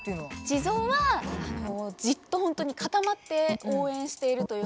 地蔵はじっと本当に固まって応援しているというか。